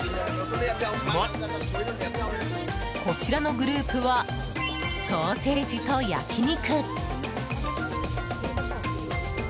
こちらのグループはソーセージと焼き肉。